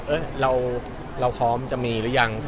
เอ๊ะเราคล้อมจะมีหรือยัง